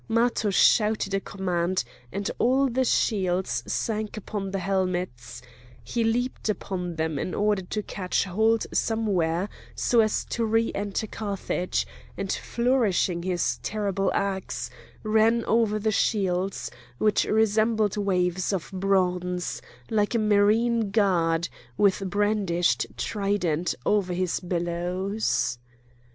Matho shouted a command and all the shields sank upon the helmets; he leaped upon them in order to catch hold somewhere so as to re enter Carthage; and, flourishing his terrible axe, ran over the shields, which resembled waves of bronze, like a marine god, with brandished trident, over his billows.